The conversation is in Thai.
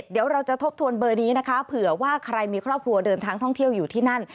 เดี๋ยวเราจะทบทวนเบอร์นี้นะคะเผื่อว่าใครมีครอบครัวเดินทางท่องเที่ยวอยู่ที่นั่น